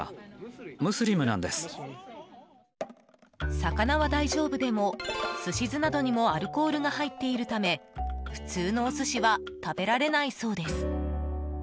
魚は大丈夫でも寿司酢などにもアルコールが入っているため普通のお寿司は食べられないそうです。